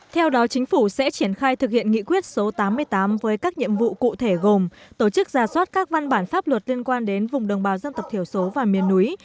theo đó chính phủ sẽ triển khai thực hiện nghị quyết số tám mươi tám với các nhiệm vụ cụ thể gồm tổ chức ra soát các văn bản pháp luật liên quan đến vùng đồng bào dân tộc thiểu số và miền núi